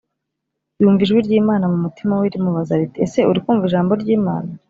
yumva ijwi ry’Imana mu mutima we rimubaza riti: ese urikumva ijambo ryimana